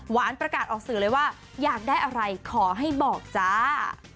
ประกาศออกสื่อเลยว่าอยากได้อะไรขอให้บอกจ้า